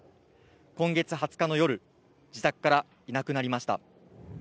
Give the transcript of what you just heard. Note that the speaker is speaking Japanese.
今月２０日の夜、自宅からいなくなりました。